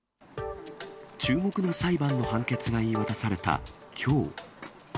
注目の裁判の判決が言い渡されたきょう。